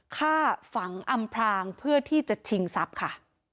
ฆ่าฝังอำพรางเพื่อที่จะชิงทรัพย์ค่ะ